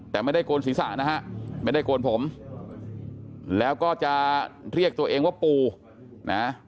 แต่ไม่ได้โกนศีรษะนะฮะไม่ได้โกนผมแล้วก็จะเรียกตัวเองว่าปูนะ